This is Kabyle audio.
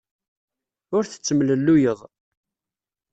Ur tettemlelluyeḍ.